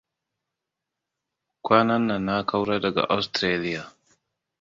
Kwanannan na kaura daga Australia.